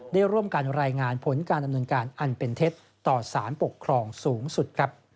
ได้ร่วมกันรายงานผลการดำเนินการอันเป็นเท็จต่อสารปกครองสูงสุด